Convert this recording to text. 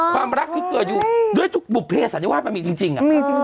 ความรักก็เกลืออยู่ด้วยบุภิเษะในว่ามันมีจริงจริง